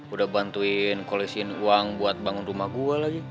udah bantuin kolesin uang buat bangun rumah gue lagi